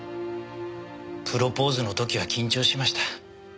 プロポーズの時は緊張しました。